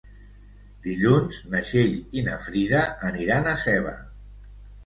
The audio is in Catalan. Dilluns na Txell i na Frida aniran a Seva.